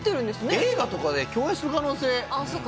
映画とかで共演する可能性あっそっか